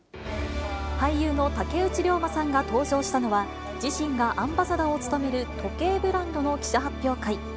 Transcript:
俳優の竹内涼真さんが登場したのは、自身がアンバサダーを務める時計ブランドの記者発表会。